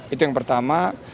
itu yang pertama